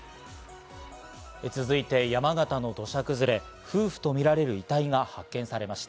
続いて、山形の土砂崩れ、夫婦とみられる遺体が発見されました。